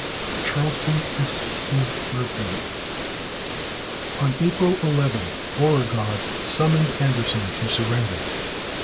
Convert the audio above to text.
Charleston, S. C., Mercury. On April 11 Beauregard summoned Anderson to surrender.